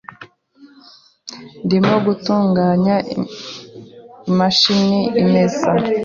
Ndimo gutunganya imashini imesa .